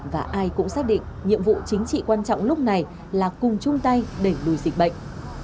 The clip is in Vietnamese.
và ai cũng xác định nhiệm vụ chính trị quan trọng lúc này là cùng chung tay đẩy lùi dịch bệnh